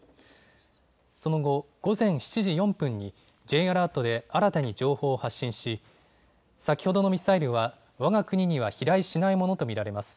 その後、午前７時４分にＪアラートで新たに情報を発信し先ほどのミサイルはわが国には飛来しないものと見られます。